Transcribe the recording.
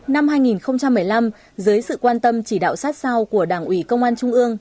năm hai nghìn một mươi năm dưới sự quan tâm chỉ đạo sát sao của đảng ủy công an trung ương